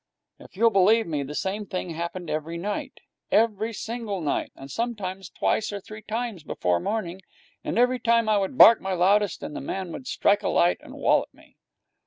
If you'll believe me, that same thing happened every night. Every single night! And sometimes twice or three times before morning. And every time I would bark my loudest and the man would strike a light and wallop me.